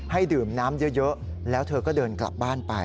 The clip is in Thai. ให้ดื่มน้ำเยอะแล้วเธอก็เดินกลับบ้านไป